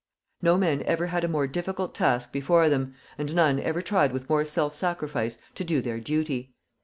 No men ever had a more difficult task before them, and none ever tried with more self sacrifice to do their duty.